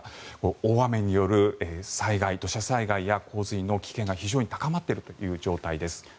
大雨による災害土砂災害や洪水の危険が非常に高まっている状態です。